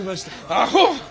アホ！